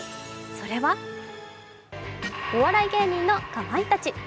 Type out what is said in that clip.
それはお笑い芸人のかまいたち。